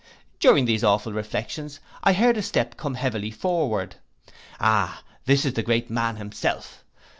During these awful reflections I heard a step come heavily forward. Ah, this is the great man himself!